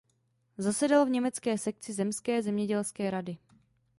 Zasedal v německé sekci zemské zemědělské rady.